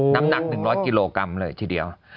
น้ำหนักสุดท้ายกิโลกรัมเลยที่เดียว